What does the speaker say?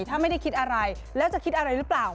ถ้าไม่ได้คิดอะไรแล้วจะคิดอะไรหรือเปล่า